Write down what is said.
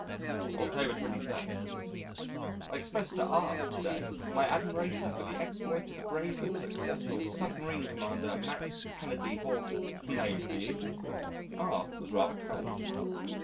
October 23. I expressed to R to day my admiration for the exploit of the brave and successful Submarine Commander Max Kennedy Horton. (Name for you!) R was rather cold.